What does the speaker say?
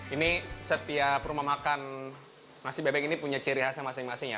ini setiap rumah makan nasi bebek ini punya ciri khasnya masing masing ya